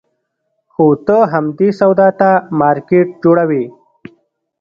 خو ته همدې سودا ته مارکېټ جوړوې.